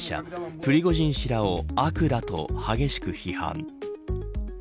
プリゴジン氏らを悪だと、激しく批判。